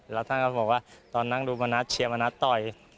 แล้วท่านก็บอกว่าตอนนั่งดูมณัฐเชียร์มณัฐต่อย